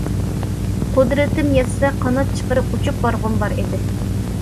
قۇدرىتىم يەتسە قانات چىقىرىپ ئۇچۇپ بارغۇم بار ئىدى.